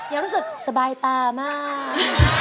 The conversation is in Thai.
ยังรู้สึกสบายตามาก